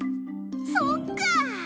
そっか！